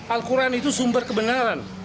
al quran itu sumber kebenaran